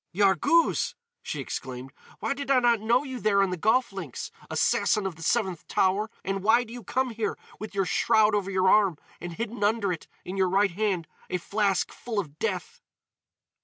"Yarghouz!" she exclaimed. "Why did I not know you there on the golf links, Assassin of the Seventh Tower? And why do you come here with your shroud over your arm and hidden under it, in your right hand, a flask full of death?"